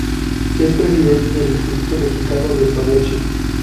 Es Presidente del Instituto Mexicano del Mariachi.